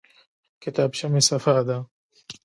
کتابچه مې صفا ده.